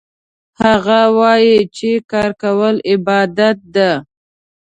هغه وایي چې کار کول عبادت ده